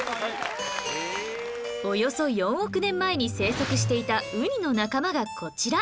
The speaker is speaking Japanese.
およそ４億年前に生息していたウニの仲間がこちら